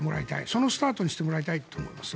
そのスタートにしてもらいたいと思います。